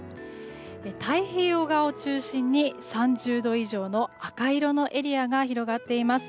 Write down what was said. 太平洋側を中心に３０度以上の赤い色のエリアが広がっています。